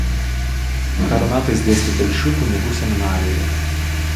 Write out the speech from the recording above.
Karo metais dėstė Telšių kunigų seminarijoje.